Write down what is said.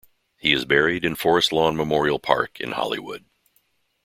He is buried in Forest Lawn Memorial Park in Hollywood.